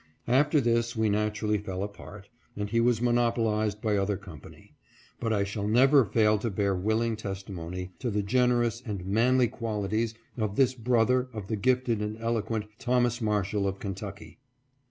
After this we naturally fell apart, and he was monopolized by other company ; but I shall never fail to bear willing testimony to the generous any manly quali ties of this brother of the gifted and eloquent Thomas Marshall of Kentucky.